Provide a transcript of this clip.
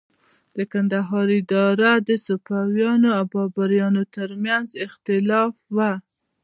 د کندهار اداره د صفویانو او بابریانو تر منځ د اختلاف وه.